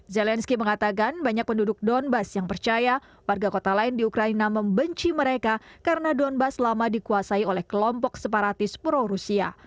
zelensky mengatakan banyak penduduk donbass yang percaya warga kota lain di ukraina membenci mereka karena donbass lama dikuasai oleh kelompok separatis pro rusia